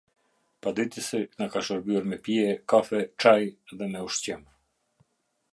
Paditësi na ka shërbyer me pije, kafe, çaj dhe me ushqim.